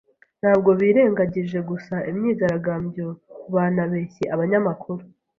Ntabwo birengagije gusa imyigaragambyo, banabeshye abanyamakuru.